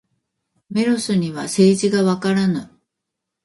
メロスには政治がわからぬ。